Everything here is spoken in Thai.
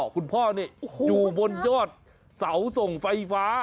คุณพ่อนี่อยู่บนยอดเสาส่งไฟฟ้า